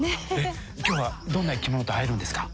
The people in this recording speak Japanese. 今日はどんな生きものと会えるんですか？